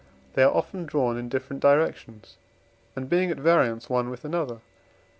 they are often drawn in different directions, and being at variance one with another (IV.